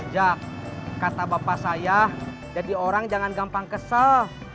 ajak kata bapak saya jadi orang jangan gampang kesel